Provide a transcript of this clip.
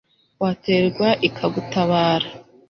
waterwa ikagutabara